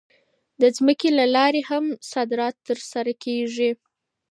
د ځمکې له لارې هم صادرات ترسره کېږي.